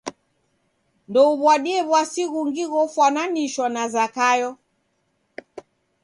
Ndouw'adie w'asi ghungi ghofwananishwa na Zakayo.